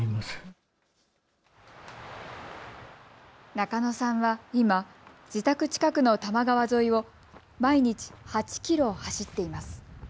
中野さんは今、自宅近くの多摩川沿いを毎日、８キロ走っています。